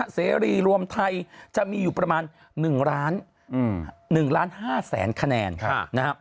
เสรีรวมไทยจะมีอยู่ประมาณ๑๕๐๐๐๐๐คะแนน